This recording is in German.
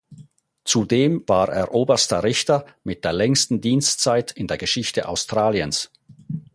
Zudem war er Oberster Richter mit der längsten Dienstzeit in der Geschichte Australiens.